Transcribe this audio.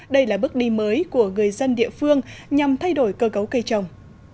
đây là bước đi mới của người dân địa phương nhằm thay đổi cơ cấu cây trồng